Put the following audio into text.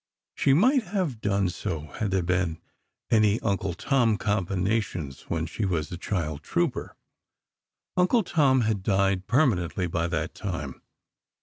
She might have done so, had there been any "Uncle Tom" combinations when she was a child trouper. "Uncle Tom" had died permanently, by that time.